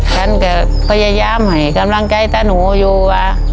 ฉันก็พยายามให้กำลังใจตาหนูอยู่ว่า